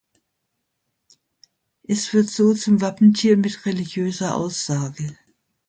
Es wird so zum Wappentier mit religiöser Aussage.